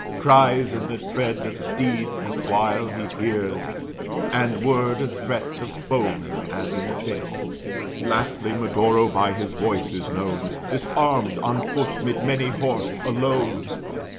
Cries and the tread of steeds this while he hears, And word and threat of foeman, as in chase; Lastly Medoro by his voice is known, Disarmed, on foot, 'mid many horse, alone.